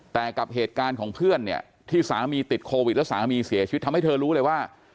แต่กับเหตุการณ์ของเพื่อนเนี่ยที่สามีติดโควิดแล้วสามีเสียชีวิตทำให้เธอรู้เลยว่า